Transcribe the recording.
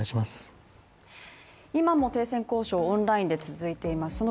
今も停戦交渉、オンラインで続いています。